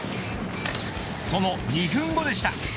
その２分後でした。